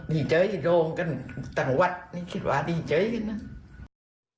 ดีใจอยู่โรงกันทางวัดคิดว่าดีใจกันนะ